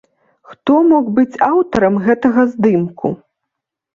Хто мог быць аўтарам гэтага здымку?